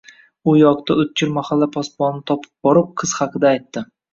U yoqda O`tkir mahalla posbonini topib borib, qiz haqida aytdi